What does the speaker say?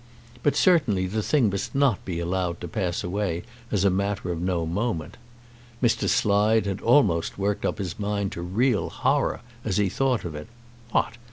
But certainly the thing must not be allowed to pass away as a matter of no moment. Mr. Slide had almost worked his mind up to real horror as he thought of it. What!